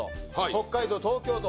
北海道東京都